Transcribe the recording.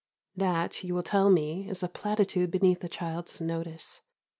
That, you will tell me, is a platitude beneath a child's notice.